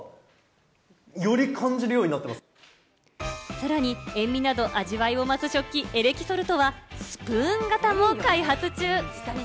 さらに塩味など、味わいを増す食器・エレキソルトはスプーン型も開発中。